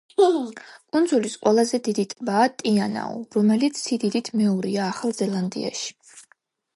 კუნძულის ყველაზე დიდი ტბაა ტე-ანაუ, რომელიც სიდიდით მეორეა ახალ ზელანდიაში.